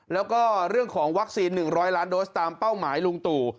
แล้วก็เรื่องของวัคซีน๑๐๐ล้านโดสตามเป้าหมายลุงตู่